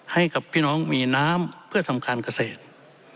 ให้กับพี่น้องมีน้ำเพื่อทำการเกษตร